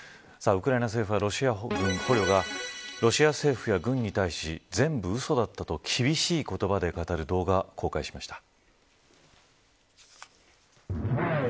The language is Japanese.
ウクライナ政府はロシア政府や軍に対し全部うそだったと厳しい言葉で語る動画を公開しました。